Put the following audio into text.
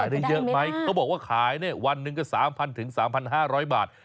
อ้าวจะได้ไหมนะมันขายก็คิดว่าแบบ๓๐๐๐๓๕๐๐บาท